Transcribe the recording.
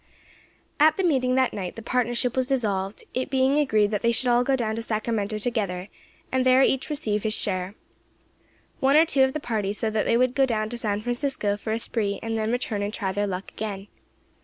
At the meeting that night the partnership was dissolved, it being agreed that they should all go down to Sacramento together, and there each receive his share. One or two of the party said that they would go down to San Francisco for a spree, and then return and try their luck again.